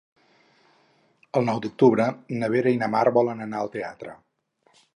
El nou d'octubre na Vera i na Mar volen anar al teatre.